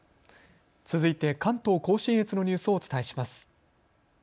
続いて関東甲信越のニュースをお伝えします。